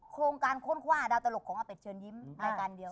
โครงการค้นคว้าดาวตลกของอาเป็ดเชิญยิ้มรายการเดียว